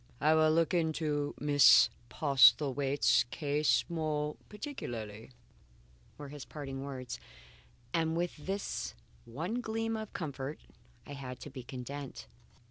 "I will look into Miss Postlethwaite's case more particularly," were his parting words. And with this one gleam of comfort I had to be content.